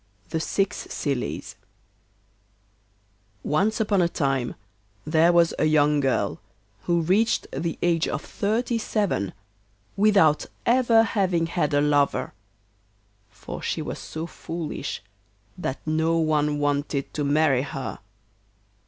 THE SIX SILLIES Once upon a time there was a young girl who reached the age of thirty seven without ever having had a lover, for she was so foolish that no one wanted to marry her.